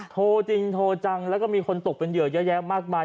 โทรจริงโทรจังแล้วก็มีคนตกเป็นเหยื่อเยอะแยะมากมาย